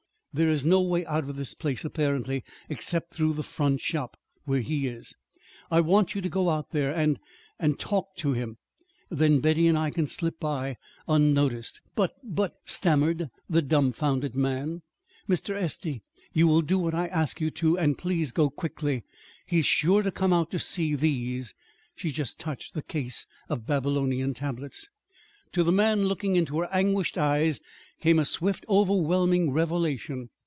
There is no way out of this place, apparently, except through the front shop, where he is. I want you to go out there and and talk to him. Then Betty and I can slip by unnoticed." "But but " stammered the dumfounded man. "Mr. Estey, you will do what I ask you to and please go quickly! He's sure to come out to see these." She just touched the case of Babylonian tablets. To the man, looking into her anguished eyes, came a swift, overwhelming revelation.